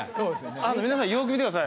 皆さんよく見てください